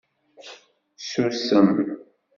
Susem.